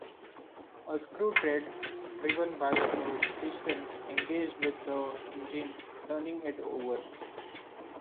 A screw thread driven by the piston engaged with the engine, turning it over.